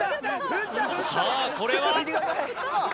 さあこれは？